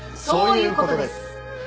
そういうことです！